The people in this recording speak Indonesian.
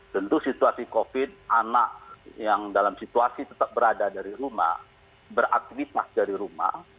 tentu situasi covid anak yang dalam situasi tetap berada dari rumah beraktivitas dari rumah